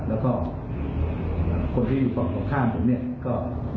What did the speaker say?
แล้วก็คนที่อยู่ต่อข้ามผมเนี้ยก็